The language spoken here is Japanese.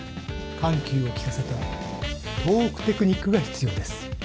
緩急をきかせたトークテクニックが必要です。